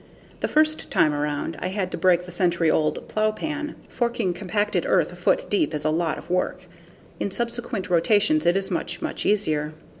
The first time around, I had to break the century old plowpan forking compacted earth a foot deep is a lot of work. In subsequent rotations it is much much easier.